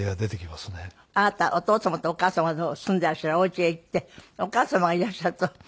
あなたお父様とお母様の住んでいらっしゃるお家へ行ってお母様がいらっしゃると。